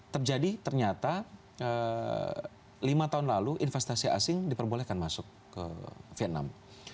terjadi ternyata lima tahun lalu investasi asing diperbolehkan masuk ke vietnam